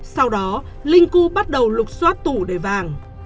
sau đó linh cu bắt đầu lục xoát tủ để vàng